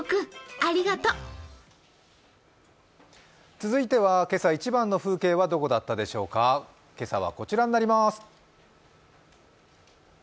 続いては今朝一番の風景はどこだったでしょうか、今朝はこちらになります。